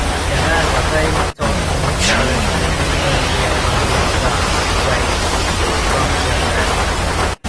Gérard Lafay taught amongst others at the University of Panthéon-Assas, where he’s still a professor emeritus.